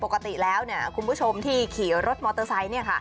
ปกติแล้วคุณผู้ชมที่ขี่รถมอเตอร์ไซค์